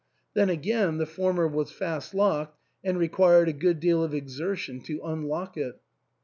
Then again, the former was fast locked, and required a good deal of exertion to unlock it.